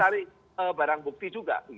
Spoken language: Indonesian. kita itu cari barang bukti juga